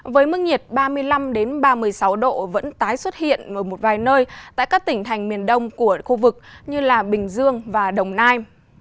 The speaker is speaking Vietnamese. với mức nhiệt ba mươi năm ba mươi sáu độ vẫn tái xuất hiện ở một vài nơi tại các tỉnh thành miền đông của khu vực như bình dương và đồng nai